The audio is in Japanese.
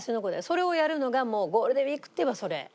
それをやるのがもうゴールデンウィークっていえばそれ。